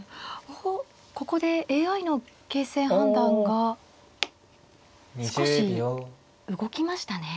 おっここでＡＩの形勢判断が少し動きましたね。